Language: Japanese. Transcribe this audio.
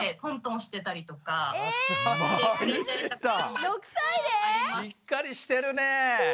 しっかりしてるねえ。